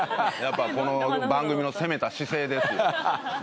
やっぱこの番組の攻めた姿勢ですよ。